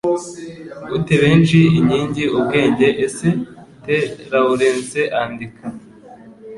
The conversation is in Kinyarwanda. Gute benshi inkingi Ubwenge Ese T E Lawrence Andika